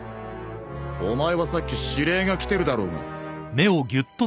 お前はさっき指令が来てるだろうが。